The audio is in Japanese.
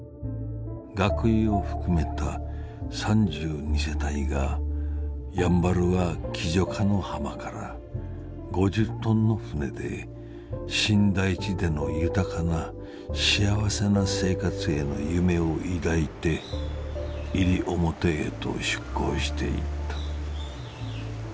学友をふくめた３２世帯がやんばるは喜如嘉の浜から五十トンの船で新大地での豊かな幸せな生活への夢を抱いて西表へと出港していった」。